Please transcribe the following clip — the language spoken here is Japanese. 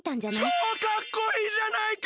ちょうかっこいいじゃないか！